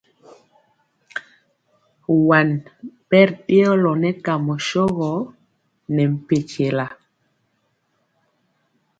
Waŋ bɛri dëɔlo nɛ kamɔ shogɔ ne mpɛntyɛla.